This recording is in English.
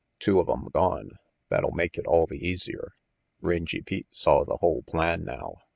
"Two of 'em gone. That'll make it all the easier." Rangy Pete saw the whole plan now.